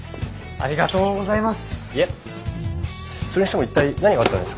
ありがとうございます！